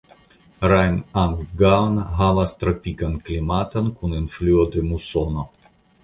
Rajnandgaon havas tropikan klimaton kun influo de musono.